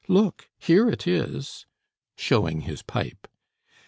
Look, here it is!" (Showing his pipe.)